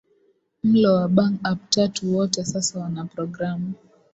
mlo wa bang up tatu Wote sasa wana programu